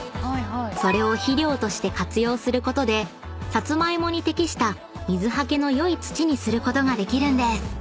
［それを肥料として活用することでサツマイモに適した水はけの良い土にすることができるんです］